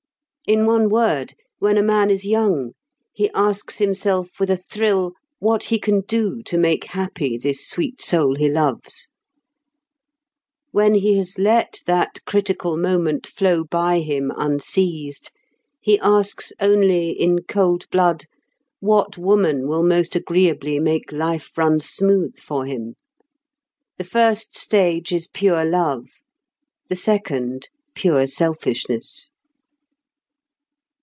In one word, when a man is young, he asks himself with a thrill what he can do to make happy this sweet soul he loves; when he has let that critical moment flow by him unseized, he asks only, in cold blood, what woman will most agreeably make life run smooth for him. The first stage is pure love; the second, pure selfishness.